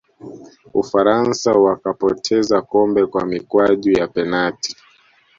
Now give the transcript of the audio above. ufaransa wakapoteza kombe kwa mikwaju ya penati